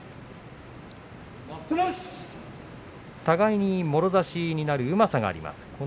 互いに、もろ差しになるうまさがあります。